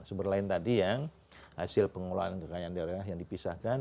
sumber lain tadi yang hasil pengelolaan kekayaan daerah yang dipisahkan